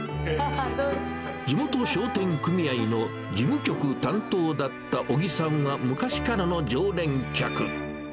地元商店組合の事務局担当だった小木さんは、昔からの常連客。